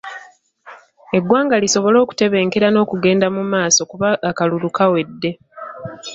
Eggwanga lisobole okutebenkera n'okugenda mu maaso kuba akalulu kawedde.